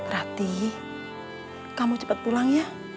rati kamu cepat pulang